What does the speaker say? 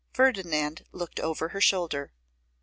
Ferdinand looked over her shoulder.